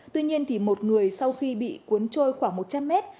tuy nhiên một người sau khi bị cuốn trôi khoảng một trăm linh mét